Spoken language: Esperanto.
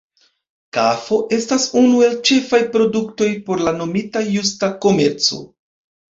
Kafo estas unu el ĉefaj produktoj por la nomita Justa komerco.